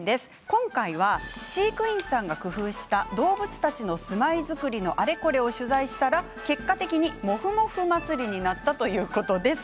今回は飼育員さんが工夫した動物たちの住まい作りのあれこれを取材したら結果的にもふもふ祭りになったということです。